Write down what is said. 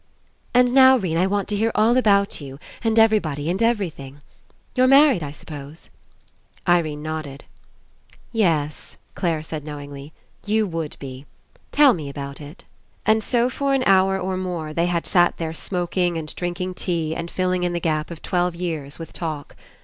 "And now 'Rene, I want to hear all about you and everybody and everything. You're married, I s'pose?" Irene nodded. 30 ENCOUNTER "Yes," Clare said knowingly, "you would be. Tell me about it/' And so for an hour or more they had sat there smoking and drinking tea and filling in the gap of twelve years with talk.